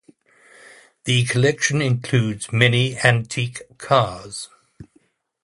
The collection includes many antique cars.